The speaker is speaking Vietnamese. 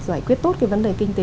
giải quyết tốt cái vấn đề kinh tế